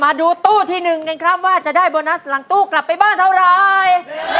มาดูตู้ที่๑กันครับว่าจะได้โบนัสหลังตู้กลับไปบ้านเท่าไร